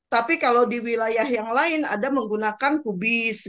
tapi kalau di wilayah yang lain ada menggunakan kubis